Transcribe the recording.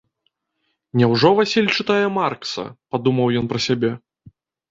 «Няўжо Васіль чытае Маркса?» — падумаў ён пра сябе.